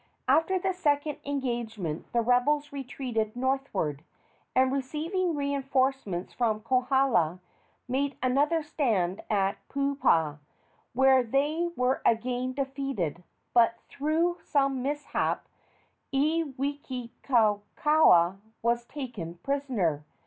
After the second engagement the rebels retreated northward, and, receiving reinforcements from Kohala, made another stand at Puupa, where they were again defeated, but through some mishap Iwikauikaua was taken prisoner.